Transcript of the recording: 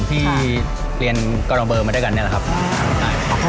ที่เรียนกรเบอร์มาด้วยกันนี่แหละครับ